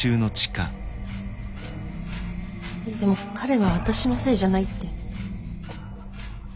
でも彼は私のせいじゃないって。